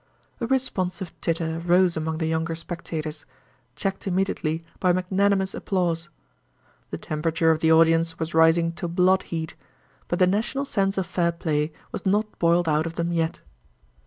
A responsive titter rose among the younger spectators; checked immediately by magnanimous applause. The temperature of the audience was rising to Blood Heat—but the national sense of fair play was not boiled out of them yet.